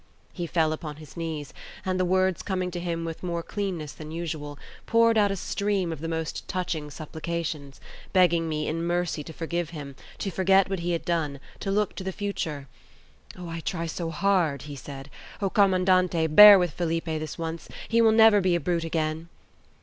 He fell upon his knees, and, the words coming to him with more cleanness than usual, poured out a stream of the most touching supplications, begging me in mercy to forgive him, to forget what he had done, to look to the future. "O, I try so hard," he said. "O, commandante, bear with Felipe this once; he will never be a brute again!"